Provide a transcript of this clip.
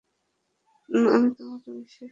আমি তোমাকে বিশ্বাস করিনি!